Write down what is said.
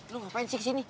lo ngapain sih kesini